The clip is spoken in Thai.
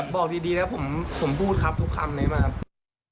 บอกดีนะผมพูดครับทุกคำนี้มากครับ